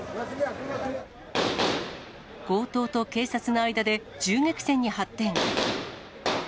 強盗と警察の間で銃撃戦に発展。